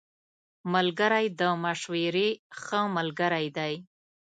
ملګری د مشورې ښه ملګری دی